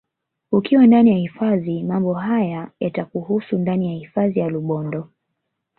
Ukiwa ndani ya hifadhi mambo haya yatakuhusu ndani ya hifadhi ya Rubondo